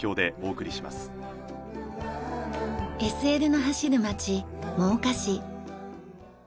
ＳＬの走る街真岡市。